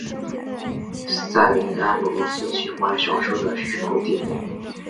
塞林安姆罗斯奇幻小说的虚构地名。